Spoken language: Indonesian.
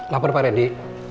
lapor pak rendy